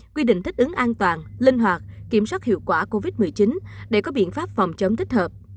quy định thích ứng an toàn linh hoạt kiểm soát hiệu quả covid một mươi chín để có biện pháp phòng chống thích hợp